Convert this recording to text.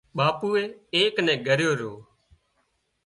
ٻاپوئي ايڪ نين ڳريو رو